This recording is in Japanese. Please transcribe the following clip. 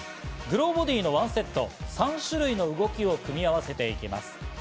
ｇｌｏｂｏｄｙのワンセット、３種類の動きを組み合わせていきます。